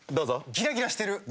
ギラギラしてる。